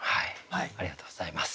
ありがとうございます。